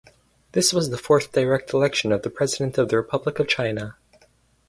This was the fourth direct election for the President of the Republic of China.